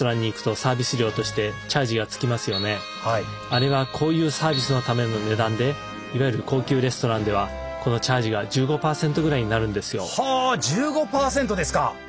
あれはこういうサービスのための値段でいわゆる高級レストランではこのチャージが１５％ぐらいになるんですよ。は１５％ですか！